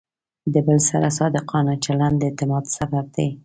د بل سره صادقانه چلند د اعتماد سبب دی.